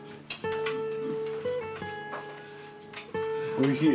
おいしい。